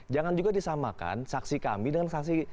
jangan juga disamakan saksi kami dengan saksi